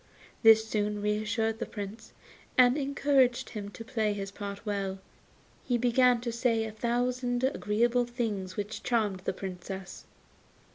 This soon reassured the Prince, and encouraged him to play his part well, and he began to say a thousand agreeable things which charmed the Princess.